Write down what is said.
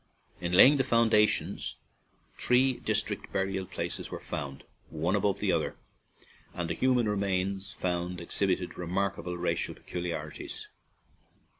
In laying the foundations, three distinct burial places were found, one above the other, and the human remains found exhibited remarkable racial pecu liarities.